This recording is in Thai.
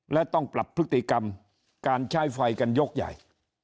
และต้องปรับพฤติกรรมการใช้ไฟกันยกใหญ่